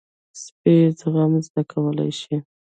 سپي زغم زده کولی شي.